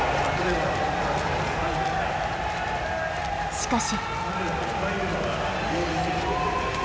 しかし。